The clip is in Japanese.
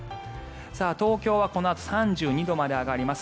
東京はこのあと３２度まで上がります。